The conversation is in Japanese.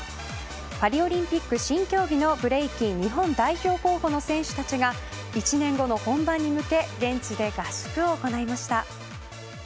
パリオリンピック新競技のブレイキン日本代表候補の選手たちが１年後の本番に向け現地で合宿を行いました。